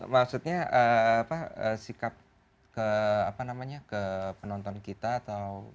maksudnya apa sikap ke apa namanya ke penonton kita atau